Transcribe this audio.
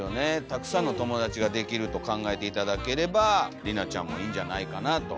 たくさんの友達ができると考えて頂ければりなちゃんもいいんじゃないかなと。